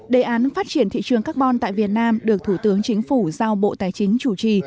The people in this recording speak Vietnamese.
đề án phát triển thị trường carbon tại việt nam được thủ tướng chính phủ giao bộ tài chính chủ trì